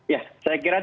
ya saya kira tindakan